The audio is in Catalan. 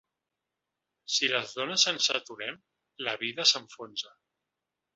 Si les dones ens aturem, la vida s’enfonsa !